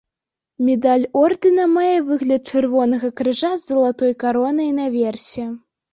Медаль ордэна мае выгляд чырвонага крыжа з залатой каронай наверсе.